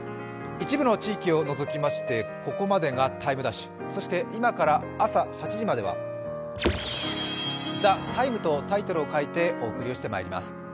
一部の地域を除きまして、ここまでが「ＴＩＭＥ’」そして今から朝８時までは「ＴＨＥＴＩＭＥ，」とタイトルを変えてお送りしてまいります。